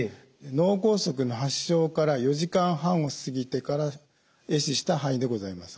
脳梗塞の発症から４時間半を過ぎてからえ死した範囲でございます。